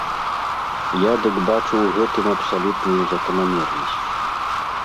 Я дык бачу ў гэтым абсалютную заканамернасць.